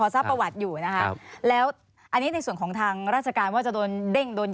แล้วอย่างนี้ในส่วนของทางรัชการว่าจะโดนเด้งโดนย้าย